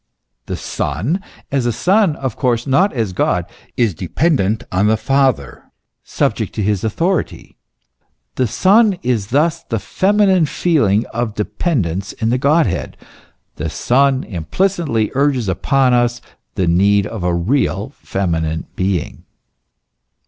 The Son, as a Son, of course not as God, is dependent on the Father, subject to his authority. The Son is thus the feminine feeling of dependence in the Godhead ; the Son implicitly urges upon us the need of a real feminine being.